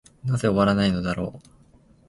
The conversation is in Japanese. なぜ終わないのだろう。